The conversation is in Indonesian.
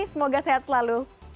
semoga sehat selalu